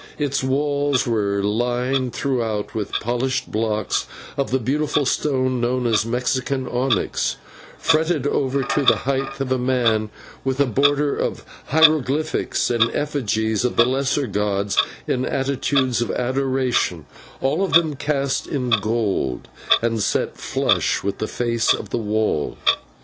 Its walls were lined throughout with polished blocks of the beautiful stone known as Mexican onyx, fretted over to the height of a man with a border of hieroglyphics and effigies of the lesser gods in attitudes of adoration, all of them cast in gold and set flush with the face of the wall.